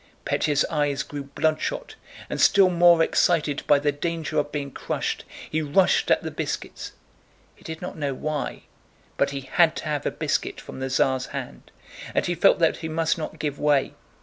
Pétya's eyes grew bloodshot, and still more excited by the danger of being crushed, he rushed at the biscuits. He did not know why, but he had to have a biscuit from the Tsar's hand and he felt that he must not give way.